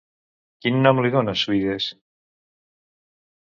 Quin nom li dona Suides?